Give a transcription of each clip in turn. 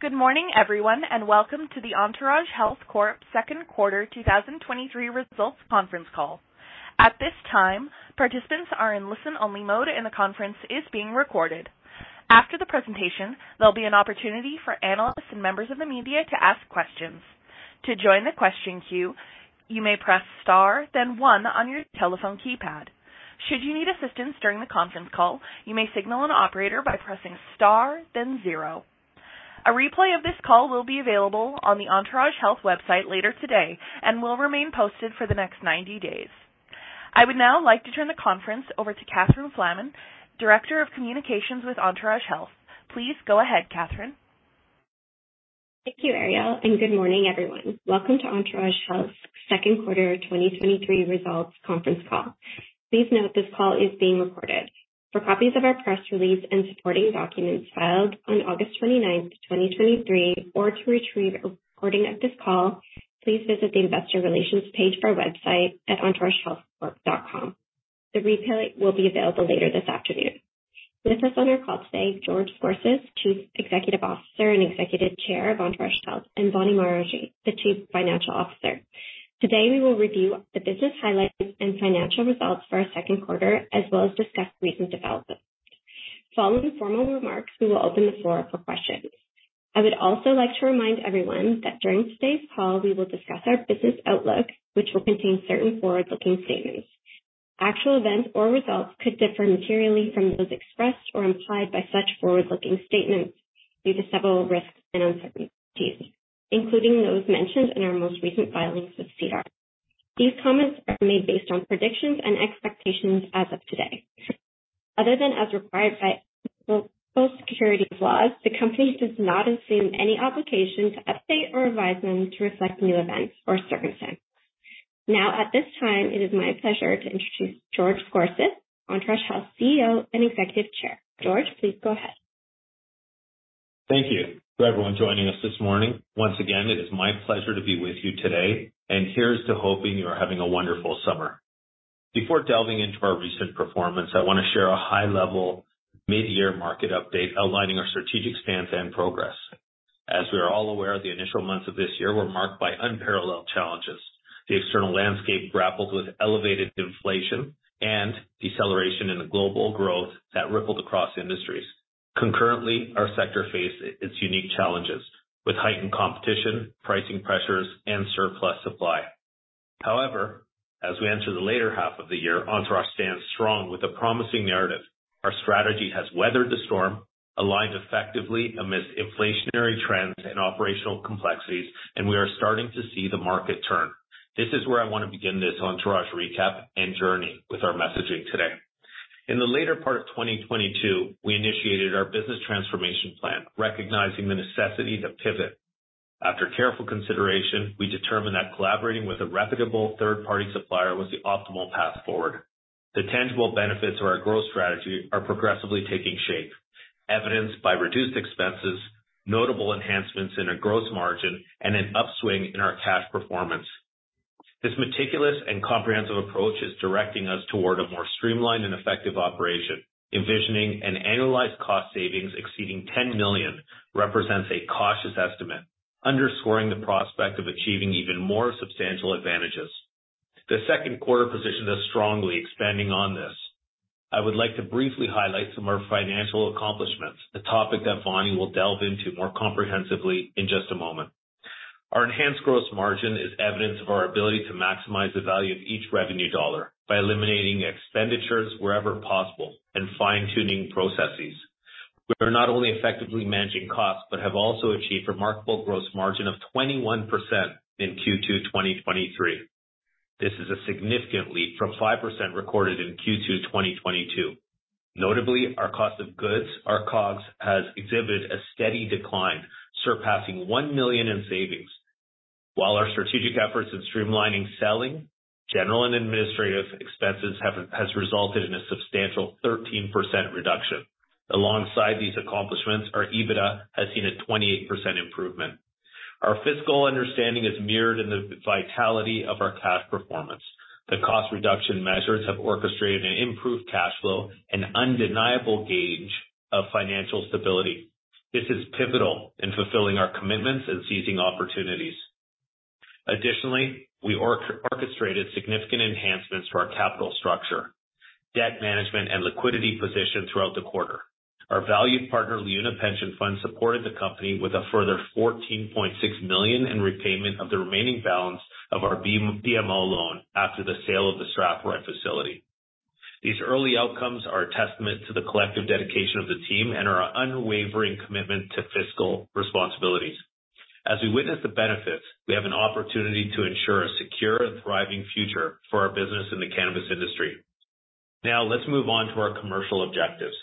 Good morning, everyone, and welcome to the Entourage Health Corp Second Quarter 2023 Results Conference Call. At this time, participants are in listen-only mode, and the conference is being recorded. After the presentation, there'll be an opportunity for analysts and members of the media to ask questions. To join the question queue, you may press Star, then one on your telephone keypad. Should you need assistance during the conference call, you may signal an operator by pressing Star, then zero. A replay of this call will be available on the Entourage Health website later today and will remain posted for the next 90 days. I would now like to turn the conference over to Catherine Flaman, Director of Communications with Entourage Health. Please go ahead, Catherine. Thank you, Ariel, and good morning, everyone. Welcome to Entourage Health's Second Quarter 2023 Results Conference Call. Please note this call is being recorded. For copies of our press release and supporting documents filed on August 29, 2023, or to retrieve a recording of this call, please visit the Investor Relations page of our website at entouragehealthcorp.com. The replay will be available later this afternoon. With us on our call today, George Scorsis, Chief Executive Officer and Executive Chair of Entourage Health, and Vaani Maharaj, the Chief Financial Officer. Today, we will review the business highlights and financial results for our second quarter, as well as discuss recent developments. Following the formal remarks, we will open the floor up for questions. I would also like to remind everyone that during today's call, we will discuss our business outlook, which will contain certain forward-looking statements. Actual events or results could differ materially from those expressed or implied by such forward-looking statements due to several risks and uncertainties, including those mentioned in our most recent filings with SEDAR. These comments are made based on predictions and expectations as of today. Other than as required by securities laws, the Company does not assume any obligation to update or revise them to reflect new events or circumstances. Now, at this time, it is my pleasure to introduce George Scorsis, Entourage Health CEO and Executive Chair. George, please go ahead. Thank you to everyone joining us this morning. Once again, it is my pleasure to be with you today, and here's to hoping you are having a wonderful summer. Before delving into our recent performance, I want to share a high-level mid-year market update outlining our strategic stance and progress. As we are all aware, the initial months of this year were marked by unparalleled challenges. The external landscape grappled with elevated inflation and deceleration in the global growth that rippled across industries. Concurrently, our sector faced its unique challenges with heightened competition, pricing pressures, and surplus supply. However, as we enter the later half of the year, Entourage stands strong with a promising narrative. Our strategy has weathered the storm, aligned effectively amidst inflationary trends and operational complexities, and we are starting to see the market turn. This is where I want to begin this Entourage recap and journey with our messaging today. In the later part of 2022, we initiated our business transformation plan, recognizing the necessity to pivot. After careful consideration, we determined that collaborating with a reputable third-party supplier was the optimal path forward. The tangible benefits of our growth strategy are progressively taking shape, evidenced by reduced expenses, notable enhancements in our gross margin, and an upswing in our cash performance. This meticulous and comprehensive approach is directing us toward a more streamlined and effective operation. Envisioning an annualized cost savings exceeding 10 million represents a cautious estimate, underscoring the prospect of achieving even more substantial advantages. The second quarter positioned us strongly. Expanding on this, I would like to briefly highlight some of our financial accomplishments, a topic that Vaani will delve into more comprehensively in just a moment. Our enhanced gross margin is evidence of our ability to maximize the value of each revenue dollar by eliminating expenditures wherever possible and fine-tuning processes. We are not only effectively managing costs but have also achieved remarkable gross margin of 21% in Q2 2023. This is a significant leap from 5% recorded in Q2 2022. Notably, our cost of goods, our COGS, has exhibited a steady decline, surpassing 1 million in savings. While our strategic efforts in streamlining selling, general and administrative expenses have resulted in a substantial 13% reduction. Alongside these accomplishments, our EBITDA has seen a 28% improvement. Our fiscal understanding is mirrored in the vitality of our cash performance. The cost reduction measures have orchestrated an improved cash flow and undeniable gauge of financial stability. This is pivotal in fulfilling our commitments and seizing opportunities. Additionally, we orchestrated significant enhancements to our capital structure, debt management, and liquidity position throughout the quarter. Our valued partner, LiUNA Pension Fund, supported the company with a further 14.6 million in repayment of the remaining balance of our BMO loan after the sale of the Strathroy facility. These early outcomes are a testament to the collective dedication of the team and our unwavering commitment to fiscal responsibilities. As we witness the benefits, we have an opportunity to ensure a secure and thriving future for our business in the cannabis industry. Now, let's move on to our commercial objectives.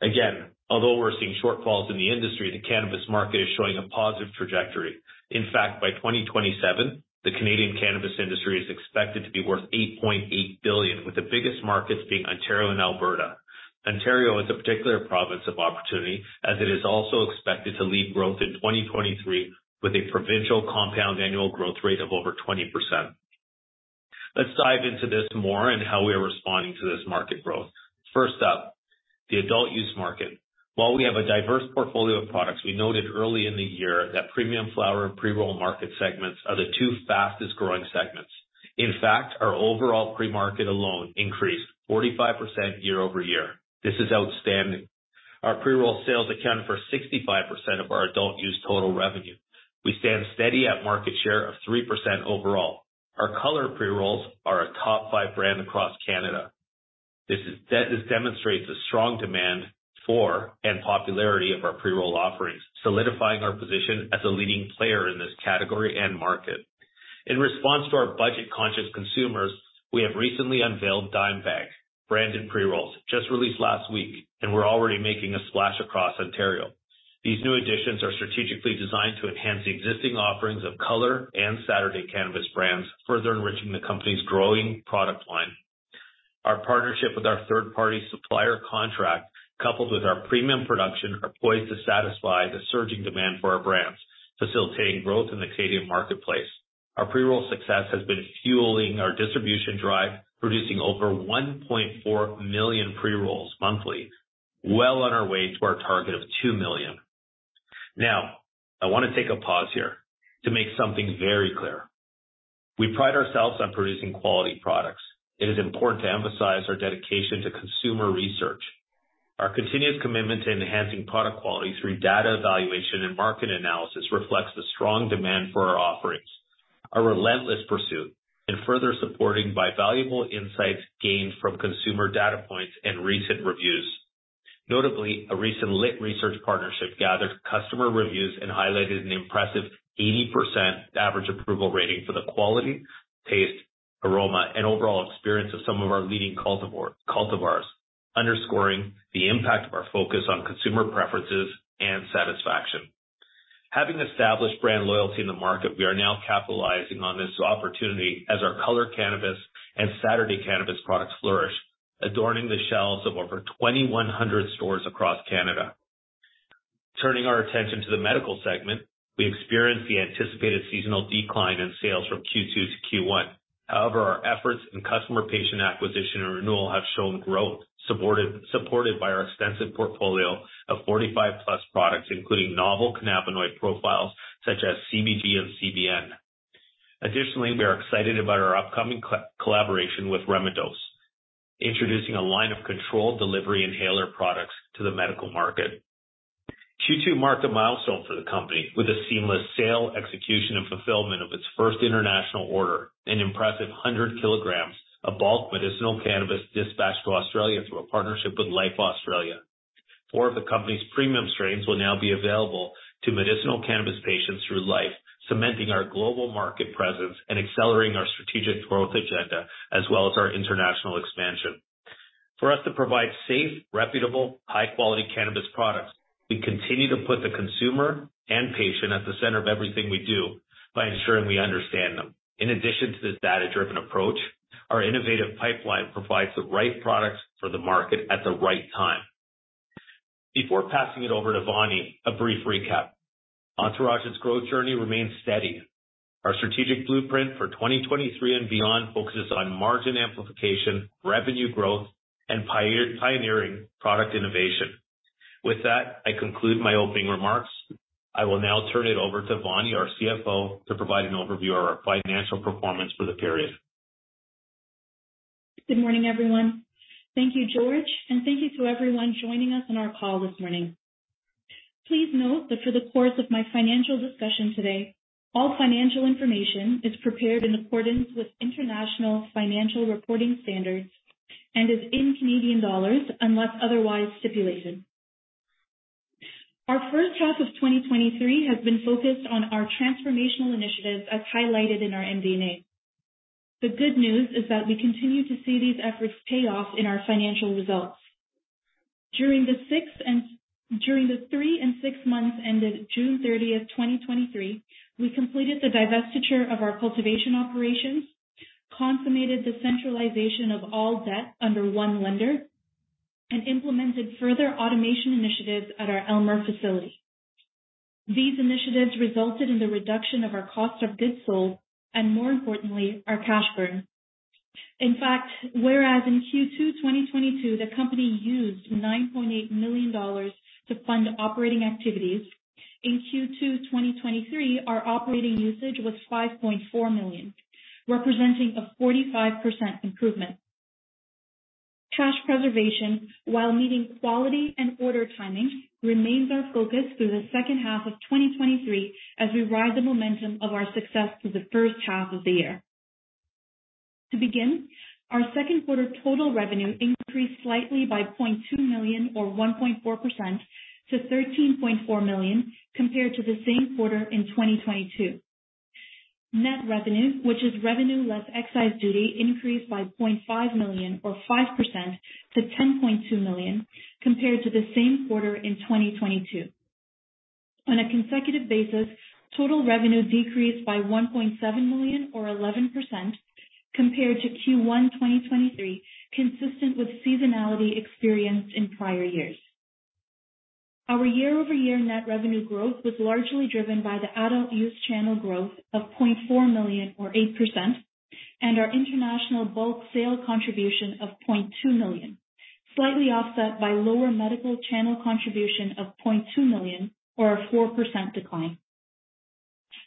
Again, although we're seeing shortfalls in the industry, the cannabis market is showing a positive trajectory. In fact, by 2027, the Canadian cannabis industry is expected to be worth 8.8 billion, with the biggest markets being Ontario and Alberta. Ontario is a particular province of opportunity, as it is also expected to lead growth in 2023 with a provincial compound annual growth rate of over 20%. Let's dive into this more and how we are responding to this market growth. First up, the adult-use market. While we have a diverse portfolio of products, we noted early in the year that premium flower and pre-roll market segments are the two fastest growing segments. In fact, our overall pre-roll market alone increased 45% year-over-year. This is outstanding. Our pre-roll sales account for 65% of our adult-use total revenue. We stand steady at market share of 3% overall. Our Color pre-rolls are a top five brand across Canada. This demonstrates a strong demand for and popularity of our pre-roll offerings, solidifying our position as a leading player in this category and market. In response to our budget-conscious consumers, we have recently unveiled Dime Bag branded pre-rolls, just released last week, and we're already making a splash across Ontario. These new additions are strategically designed to enhance the existing offerings of Color and Saturday Cannabis brands, further enriching the company's growing product line. Our partnership with our third-party supplier contract, coupled with our premium production, are poised to satisfy the surging demand for our brands, facilitating growth in the Canadian marketplace. Our pre-roll success has been fueling our distribution drive, producing over 1.4 million pre-rolls monthly, well on our way to our target of 2 million. Now, I want to take a pause here to make something very clear. We pride ourselves on producing quality products. It is important to emphasize our dedication to consumer research. Our continuous commitment to enhancing product quality through data evaluation and market analysis reflects the strong demand for our offerings, our relentless pursuit, and further supporting by valuable insights gained from consumer data points and recent reviews. Notably, a recent LiT Research partnership gathered customer reviews and highlighted an impressive 80% average approval rating for the quality, taste, aroma, and overall experience of some of our leading cultivars, underscoring the impact of our focus on consumer preferences and satisfaction. Having established brand loyalty in the market, we are now capitalizing on this opportunity as our Color Cannabis and Saturday Cannabis products flourish, adorning the shelves of over 2,100 stores across Canada. Turning our attention to the medical segment, we experienced the anticipated seasonal decline in sales from Q2 to Q1. However, our efforts in customer-patient acquisition and renewal have shown growth, supported by our extensive portfolio of 45+ products, including novel cannabinoid profiles such as CBD and CBN. Additionally, we are excited about our upcoming collaboration with Remidose, introducing a line of controlled delivery inhaler products to the medical market. Q2 marked a milestone for the company with a seamless sale, execution, and fulfillment of its first international order, an impressive 100 kilograms of bulk medicinal cannabis dispatched to Australia through a partnership with Lyphe Australia. Four of the company's premium strains will now be available to medicinal cannabis patients through Lyphe, cementing our global market presence and accelerating our strategic growth agenda, as well as our international expansion. For us to provide safe, reputable, high-quality cannabis products, we continue to put the consumer and patient at the center of everything we do by ensuring we understand them. In addition to this data-driven approach, our innovative pipeline provides the right products for the market at the right time. Before passing it over to Vaani, a brief recap. Entourage's growth journey remains steady. Our strategic blueprint for 2023 and beyond focuses on margin amplification, revenue growth, and pioneering product innovation. With that, I conclude my opening remarks. I will now turn it over to Vaani, our CFO, to provide an overview of our financial performance for the period. Good morning, everyone. Thank you, George, and thank you to everyone joining us on our call this morning. Please note that for the course of my financial discussion today, all financial information is prepared in accordance with International Financial Reporting Standards and is in Canadian dollars, unless otherwise stipulated. Our first half of 2023 has been focused on our transformational initiatives, as highlighted in our MD&A. The good news is that we continue to see these efforts pay off in our financial results. During the three and six months ended June 30, 2023, we completed the divestiture of our cultivation operations, consummated the centralization of all debt under one lender, and implemented further automation initiatives at our Aylmer facility. These initiatives resulted in the reduction of our cost of goods sold and, more importantly, our cash burn. In fact, whereas in Q2 2022, the company used 9.8 million dollars to fund operating activities, in Q2 2023, our operating usage was 5.4 million, representing a 45% improvement. Cash preservation, while meeting quality and order timing, remains our focus through the second half of 2023 as we ride the momentum of our success through the first half of the year. To begin, our second quarter total revenue increased slightly by 0.2 million, or 1.4% to 13.4 million, compared to the same quarter in 2022. Net revenue, which is revenue less excise duty, increased by 0.5 million, or 5% to 10.2 million, compared to the same quarter in 2022. On a consecutive basis, total revenue decreased by 1.7 million, or 11% compared to Q1 2023, consistent with seasonality experienced in prior years. Our year-over-year net revenue growth was largely driven by the adult use channel growth of 0.4 million, or 8%, and our international bulk sale contribution of 0.2 million, slightly offset by lower medical channel contribution of 0.2 million, or a 4% decline.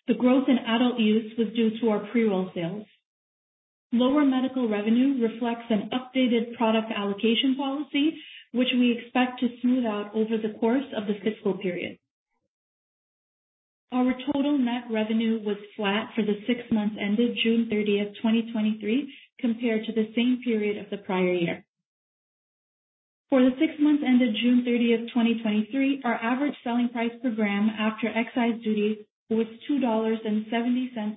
The growth in adult use was due to our pre-roll sales. Lower medical revenue reflects an updated product allocation policy, which we expect to smooth out over the course of the fiscal period. Our total net revenue was flat for the six months ended June 30, 2023, compared to the same period of the prior year. For the six months ended June 30, 2023, our average selling price per gram after excise duties was 2.70 dollars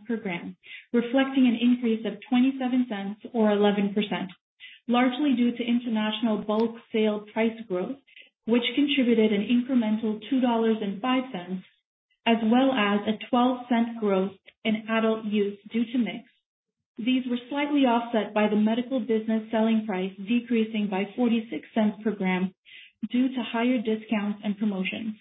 per gram, reflecting an increase of 0.27, or 11%, largely due to international bulk-sale price growth, which contributed an incremental 2.05 dollars, as well as a 0.12 growth in adult use due to mix. These were slightly offset by the medical business selling price decreasing by 0.46 per gram due to higher discounts and promotions.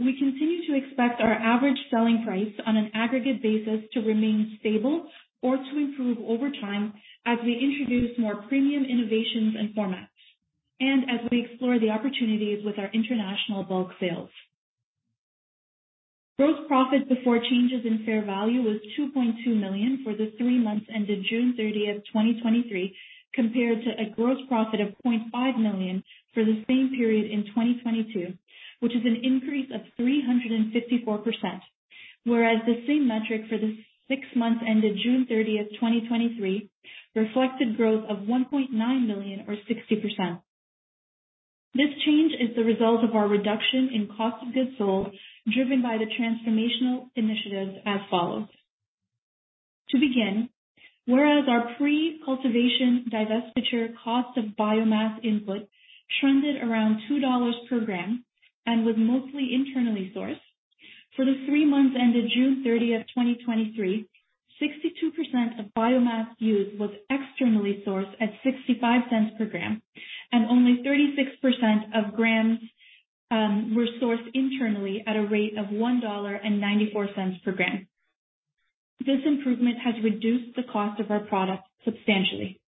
We continue to expect our average selling price on an aggregate basis to remain stable, or to improve over time as we introduce more premium innovations and formats, and as we explore the opportunities with our international bulk sales. Gross profit before changes in fair value was 2.2 million for the three months ended June 30, 2023, compared to a gross profit of 0.5 million for the same period in 2022, which is an increase of 354%, whereas the same metric for the six months ended June 30, 2023, reflected growth of 1.9 million, or 60%. This change is the result of our reduction in cost of goods sold, driven by the transformational initiatives as follows: To begin, whereas our pre-cultivation divestiture cost of biomass input trended around 2 dollars per gram and was mostly internally sourced, for the three months ended June 30, 2023, 62% of biomass used was externally sourced at 0.65 per gram, and only 36% of grams were sourced internally at a rate of 1.94 dollar per gram. This improvement has reduced the cost of our product substantially.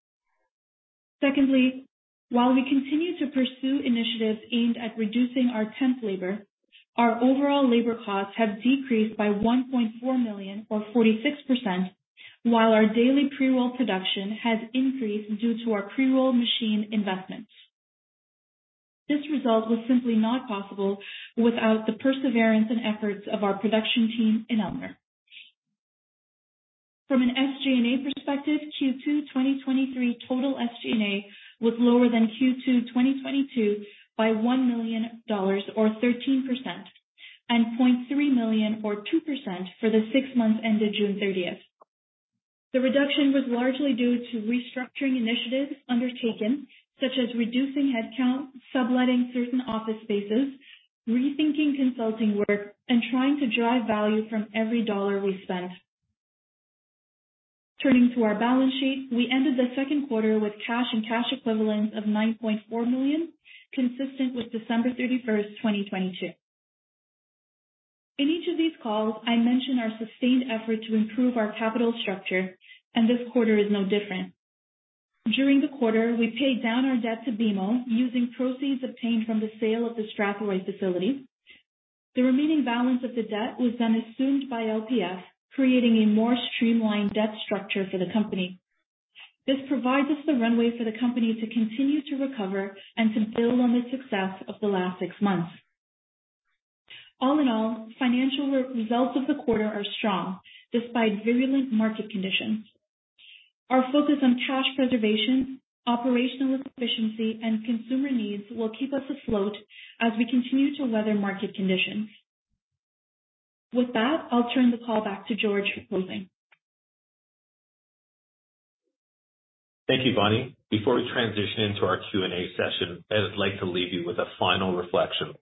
Secondly, while we continue to pursue initiatives aimed at reducing our temp labor, our overall labor costs have decreased by 1.4 million, or 46%, while our daily pre-roll production has increased due to our pre-roll machine investments. This result was simply not possible without the perseverance and efforts of our production team in Aylmer. From an SG&A perspective, Q2 2023 total SG&A was lower than Q2 2022 by 1 million dollars, or 13%, and 0.3 million, or 2%, for the 6 months ended June 30. The reduction was largely due to restructuring initiatives undertaken, such as reducing headcount, subletting certain office spaces, rethinking consulting work, and trying to drive value from every dollar we spend. Turning to our balance sheet, we ended the second quarter with cash and cash equivalents of 9.4 million, consistent with December 31, 2022. In each of these calls, I mention our sustained effort to improve our capital structure, and this quarter is no different. During the quarter, we paid down our debt to BMO using proceeds obtained from the sale of the Strathroy facility. The remaining balance of the debt was then assumed by LPF, creating a more streamlined debt structure for the company. This provides us the runway for the company to continue to recover and to build on the success of the last six months. All in all, financial results of the quarter are strong despite virulent market conditions. Our focus on cash preservation, operational efficiency, and consumer needs will keep us afloat as we continue to weather market conditions. With that, I'll turn the call back to George for closing. Thank you, Vaani. Before we transition into our Q&A session, I would like to leave you with a final reflection.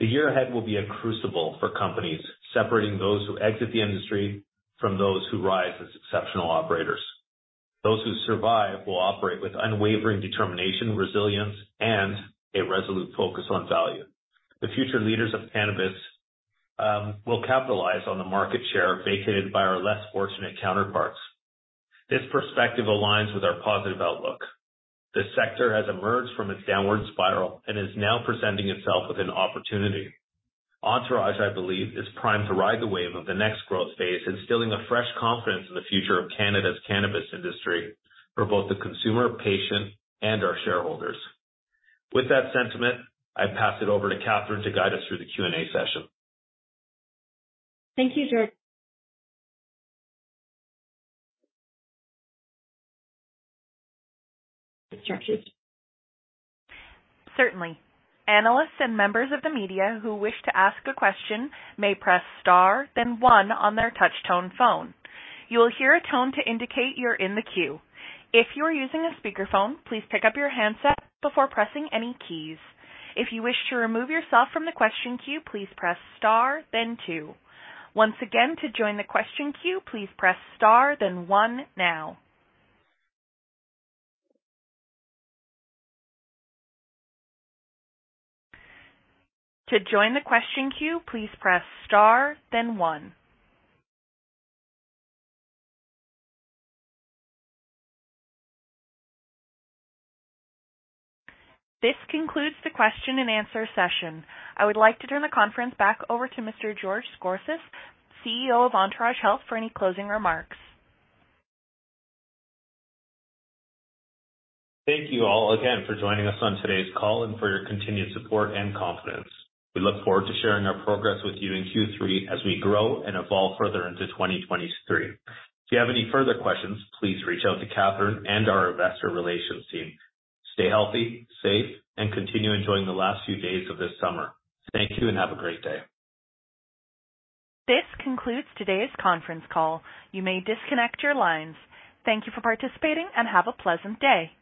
The year ahead will be a crucible for companies, separating those who exit the industry from those who rise as exceptional operators. Those who survive will operate with unwavering determination, resilience, and a resolute focus on value. The future leaders of cannabis will capitalize on the market share vacated by our less fortunate counterparts. This perspective aligns with our positive outlook. The sector has emerged from its down ward spiral and is now presenting itself with an opportunity. Entourage, I believe, is primed to ride the wave of the next growth phase, instilling a fresh confidence in the future of Canada's cannabis industry for both the consumer, patient, and our shareholders. With that sentiment, I pass it over to Catherine to guide us through the Q&A session. Thank you, George. Instructions. Certainly. Analysts and members of the media who wish to ask a question may press star, then one on their touch-tone phone. You will hear a tone to indicate you're in the queue. If you are using a speakerphone, please pick up your handset before pressing any keys. If you wish to remove yourself from the question queue, please press star then two. Once again, to join the question queue, please press star, then one now. To join the question queue, please press star, then one. This concludes the question and answer session. I would like to turn the conference back over to Mr. George Scorsis, CEO of Entourage Health, for any closing remarks. Thank you all again for joining us on today's call and for your continued support and confidence. We look forward to sharing our progress with you in Q3 as we grow and evolve further into 2023. If you have any further questions, please reach out to Catherine and our investor relations team. Stay healthy, safe, and continue enjoying the last few days of this summer. Thank you and have a great day. This concludes today's conference call. You may disconnect your lines. Thank you for participating, and have a pleasant day.